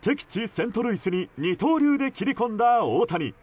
セントルイスに二刀流で切り込んだ、大谷。